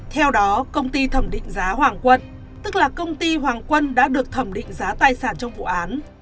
theo đó công ty thẩm định giá hoàng quận tức là công ty hoàng quân đã được thẩm định giá tài sản trong vụ án